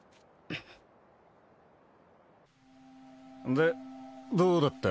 でどうだった？